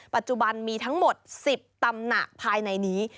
ปัจจุบันมีทั้งหมด๑๐ตำหนักภายในนี้